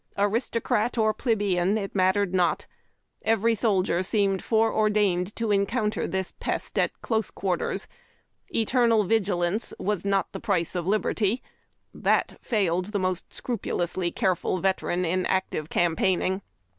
Aristocrat or plebeian it mattered not. Every soldier seemed foreor dained to encounter this pest at close quarters. Eternal vigilance was 7iot the price of liberty. That failed the most scrupulously careful vet eran in active campaigning.